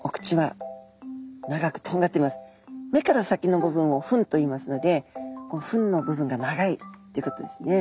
目から先の部分を吻といいますので吻の部分が長いということですね。